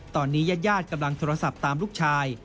ตอนนี้ญาติกำลังโทรศัพท์ตามลูกชาย